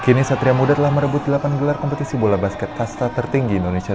kini satria muda telah merebut delapan gelar kompetisi bola basket kasta tertinggi indonesia